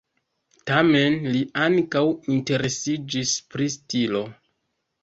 Tamen li ankaŭ interesiĝis pri stilo.